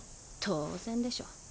当然でしょ。